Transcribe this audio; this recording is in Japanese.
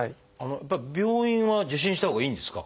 やっぱり病院は受診したほうがいいんですか？